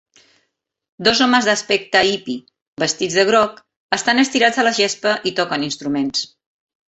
Dos homes d'aspecte hippie vestits de groc estan estirats a la gespa i toquen instruments.